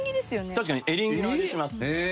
確かにエリンギの味します。